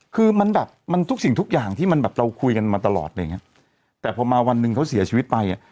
คือมันแบบมันทุกสิ่งทุกอย่างที่มันแบบเราคุยกันมาตลอดอะไรอย่างเงี้ยแต่พอมาวันหนึ่งเขาเสียชีวิตไปอ่ะ